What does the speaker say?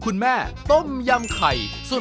อันนี้นมยำมันมี๓รสคือ